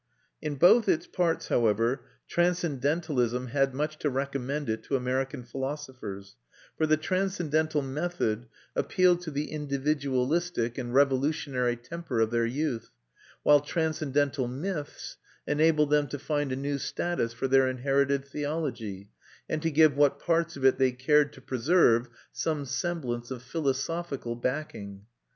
In both its parts, however, transcendentalism had much to recommend it to American philosophers, for the transcendental method appealed to the individualistic and revolutionary temper of their youth, while transcendental myths enabled them to find a new status for their inherited theology, and to give what parts of it they cared to preserve some semblance of philosophical backing.